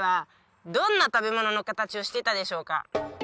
どんな食べ物の形をしてたでしょうか？